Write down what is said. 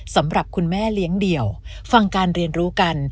สำหรับคุณแม่เลี้ยงเดี่ยวฟังการเรียนรู้กัน